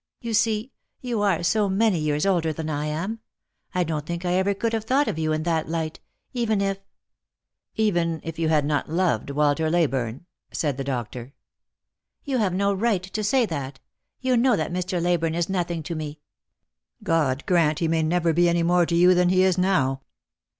You see, you are so many years older than I am. I don't think I ever could have thought of you in that light, even if "" Even if you had not loved Walter Leyburne," said the doctor. "You have no right to say that. You know that Mr. Leyburne is nothing to me." " God grant he may never be any more to you than he is now!"